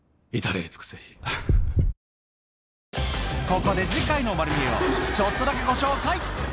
ここで次回の『まる見え！』をちょっとだけご紹介